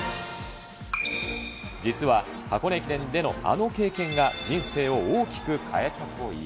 実は箱根駅伝でのあの経験が、人生を大きく変えたといいます。